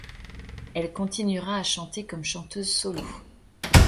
Elle continuera à chanter comme chanteuse solo.